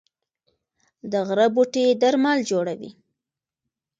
د غره بوټي درمل جوړوي